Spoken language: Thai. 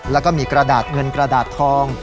แล้วก็มีกระดาษเงินกระดาษทอง